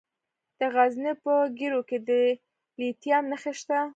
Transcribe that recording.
د غزني په ګیرو کې د لیتیم نښې شته.